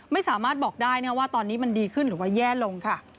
ไม่สามารถบอกได้นะว่าตอนนี้มันดีขึ้นหรือว่าแย่ลงค่ะ